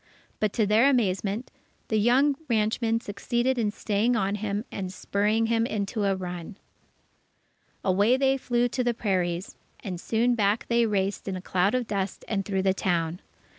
But to their amazement, the young ranchman succeeded in staying on him and spurring him into a run. Away they flew to the prairies, and soon back they raced in a cloud of dust and through the town.